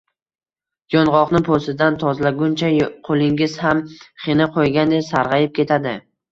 Yong’oqni po’stidan tozalaguncha, qo‘lingiz ham xina qo‘ygandek sarg‘ayib ketadi.